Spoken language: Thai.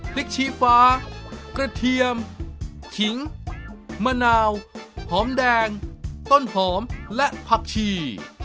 ชีฟ้ากระเทียมขิงมะนาวหอมแดงต้นหอมและผักชี